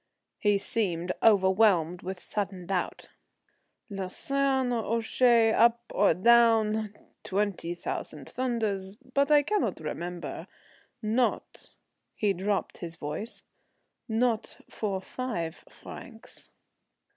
He seemed overwhelmed with sudden doubt. "Lausanne or Ouchy? Up or down? Twenty thousand thunders, but I cannot remember, not " he dropped his voice "not for five francs."